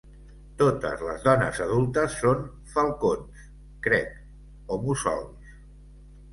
Totes les dones adultes són falcons, crec, o mussols.